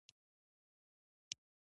د ولس په دفاع کې ځان ګوښه کول موزیتوب دی.